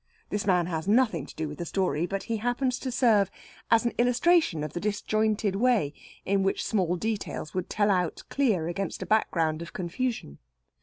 This man has nothing to do with this story, but he happens to serve as an illustration of the disjointed way in which small details would tell out clear against a background of confusion.